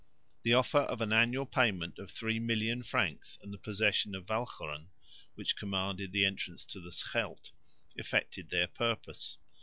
The offer of an annual payment of 3,000,000 francs and the possession of Walcheren, which commanded the entrance to the Scheldt, effected their purpose.